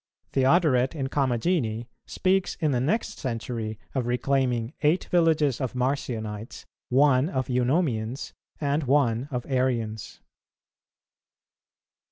Theodoret in Comagene speaks in the next century of reclaiming eight villages of Marcionites, one of Eunomians, and one of Arians.